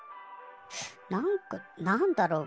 なんかなんだろう？